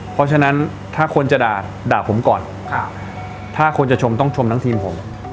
เพราะฉะนั้นถ้าคนจะด่าผมก่อนถ้าคนจะชมต้องชมทั้งทีมผม